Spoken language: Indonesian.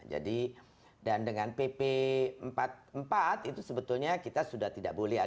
jadi dan dengan pp empat puluh empat itu sebetulnya kita sudah diperbolehkan